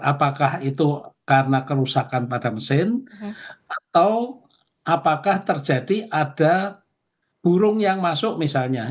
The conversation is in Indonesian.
apakah itu karena kerusakan pada mesin atau apakah terjadi ada burung yang masuk misalnya